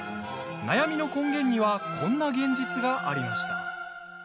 悩みの根源にはこんな現実がありました。